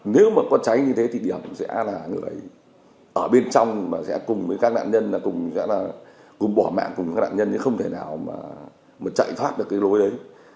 nếu mà có cháy như thế thì điểm sẽ là người ở bên trong mà sẽ cùng với các nạn nhân cùng bỏ mạng cùng các nạn nhân nó không thể nào mà chạy thoát được cái lối đấy